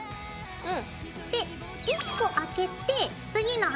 うん。